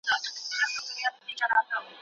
ولي لېواله انسان د پوه سړي په پرتله لوړ مقام نیسي؟